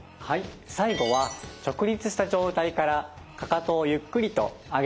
最後は直立した状態からかかとをゆっくりと上げ下げします。